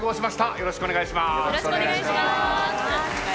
よろしくお願いします。